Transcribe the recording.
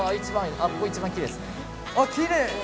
あっきれい。